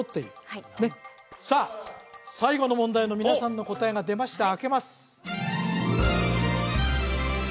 はいさあ最後の問題の皆さんの答えが出ました